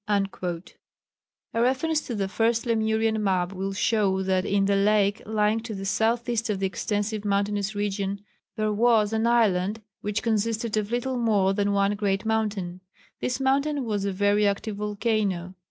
" A reference to the first Lemurian map will show that in the lake lying to the south east of the extensive mountainous region there was an island which consisted of little more than one great mountain. This mountain was a very active volcano.